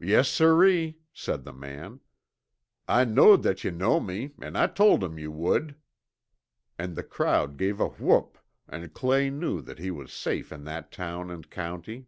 "Yes siree!" said the man, "I knowed that ye know me, 'n I told 'em you would." And the crowd gave a whoop, and Clay knew that he was safe in that town and county.